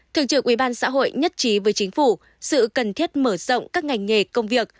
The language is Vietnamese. thường trực ubnd nhất trí với chính phủ sự cần thiết mở rộng các ngành nghề công việc